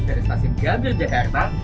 dari stasiun gambir jakarta